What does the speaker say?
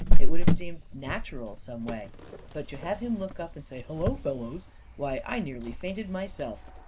It would have seemed natural, some way. But to have him look up and say, 4 Hullo, fellows 1 9 Why, I nearly fainted myself